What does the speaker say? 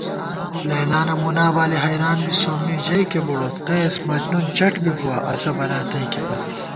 لیلٰی نہ مُنابالی حیریان بی سومّی ژَئیکے بُڑوت * قیس مجنون چٹ بِبُوا اسہ بلا تئیکےپت